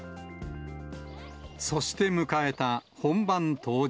そして迎えた本番当日。